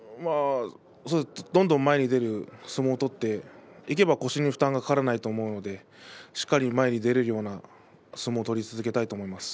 どんどん前に出る相撲を取ってそうすれば腰に負担がかからないと思うのでしっかり前に出られるような相撲を取り続けたいと思います。